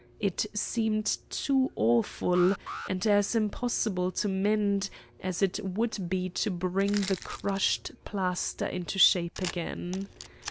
It seemed too awful, and as impossible to mend as it would be to bring the crushed plaster into shape again.